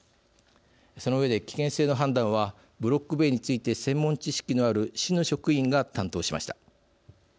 その上で、危険性の判断はブロック塀について専門知識のある市の職員が担当しました。